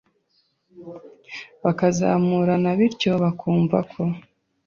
bakazamurana, bityo bakumva ko «